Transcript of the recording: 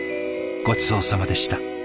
ごちそうさまでした。